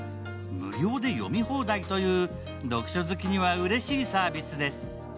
無料で読み放題という読書好きにはうれしいサービスです。